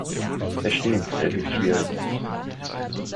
Es stimmt, es ist schwierig.